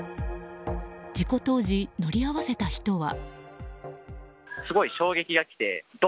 事故当時、乗り合わせた人は。